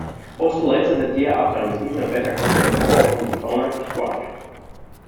Postal later that year after receiving a better contract offer from the Phonak squad.